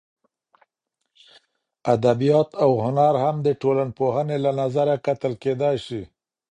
ادبیات او هنر هم د ټولنپوهنې له نظره کتل کېدای سي.